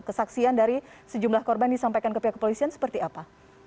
kesaksian dari sejumlah korban disampaikan ke pihak kepolisian seperti apa